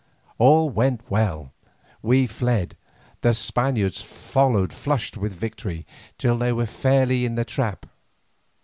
All went well; we fled, the Spaniards followed flushed with victory, till they were fairly in the trap.